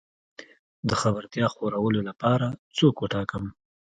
د خبرتيا خورولو لپاره څوک وټاکم؟